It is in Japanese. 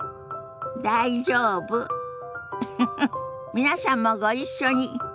皆さんもご一緒に。